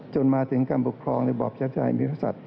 จนมาถึงการปกครองระบบแชกไช